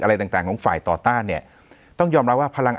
อะไรต่างของฝ่ายต่อต้านเนี่ยต้องยอมรับว่าพลังอานุรักษณิยม